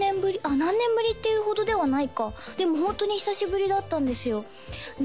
何年ぶりっていうほどではないかでもホントに久しぶりだったんですよで